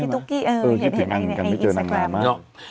ตุ๊กกี้ใช่ไหมไม่เจอนานนานมากพี่ตุ๊กกี้เห็นอันนี้ในอินสตาแกรม